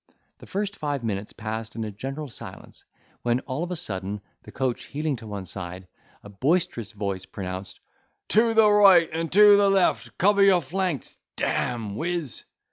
The first five minutes passed in a general silence, when, all of a sudden, the coach heeling to one side, a boisterous voice pronounced, "To the right and left, cover your flanks, d—me! whiz!"